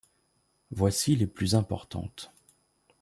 Voici les plus importantes.